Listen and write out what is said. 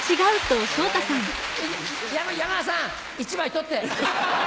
山田さん１枚取って！